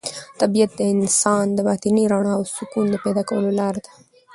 طبیعت د انسان د باطني رڼا او سکون د پیدا کولو لاره ده.